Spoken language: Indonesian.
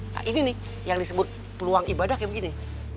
nah ini nih yang disebut peluang ibadah kayak begini